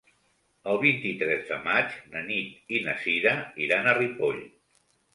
El vint-i-tres de maig na Nit i na Sira iran a Ripoll.